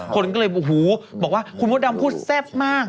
คนก็เลยโอ้โหบอกว่าคุณมดดำพูดแซ่บมาก